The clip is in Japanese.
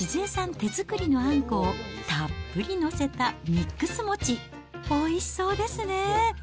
手作りのあんこを、たっぷり載せたミックス餅、おいしそうですね。